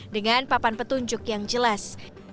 dengan papan petunjuk yang jelas